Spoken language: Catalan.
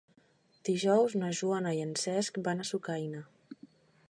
Dijous na Joana i en Cesc van a Sucaina.